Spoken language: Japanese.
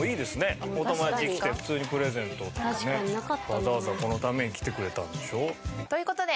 わざわざこのために来てくれたんでしょ？という事で！